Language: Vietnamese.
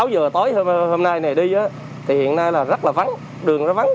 sáu h tối hôm nay này đi thì hiện nay là rất là vắng đường rất là vắng